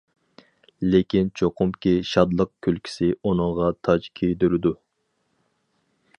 لېكىن چوقۇمكى شادلىق كۈلكىسى ئۇنىڭغا تاج كىيدۈرىدۇ.